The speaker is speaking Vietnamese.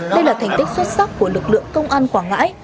đây là thành tích xuất sắc của lực lượng công an quảng ngãi